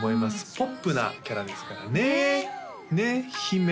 ポップなキャラですからねねっ姫？